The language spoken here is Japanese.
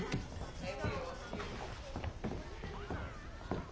えっ？